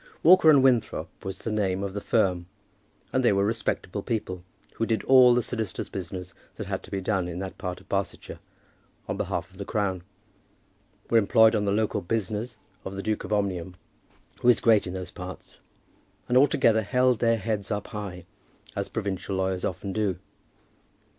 Walker and Winthrop was the name of the firm, and they were respectable people, who did all the solicitors' business that had to be done in that part of Barsetshire on behalf of the Crown, were employed on the local business of the Duke of Omnium who is great in those parts, and altogether held their heads up high, as provincial lawyers often do.